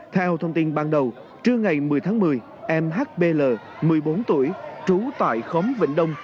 theo thông tin ban đầu trưa ngày một mươi tháng một mươi em h b l một mươi bốn tuổi trú tại khóm vịnh đông